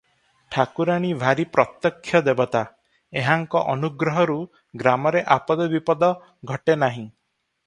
ଠାକୁରାଣୀ ଭାରି ପ୍ରତ୍ୟକ୍ଷ ଦେବତା, ଏହାଙ୍କ ଅନୁଗ୍ରହରୁ ଗ୍ରାମରେ ଆପଦବିପଦ ଘଟେ ନାହିଁ ।